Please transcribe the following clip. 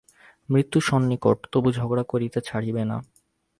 মৃত্যু সন্নিকট তবু ঝগড়া করিতে ছাড়িবে না।